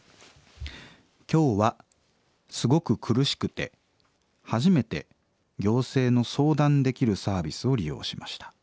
「今日はすごく苦しくて初めて行政の相談できるサービスを利用しました。